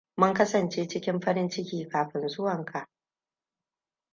Mun kasance cikin farin ciki kafin zuwanka.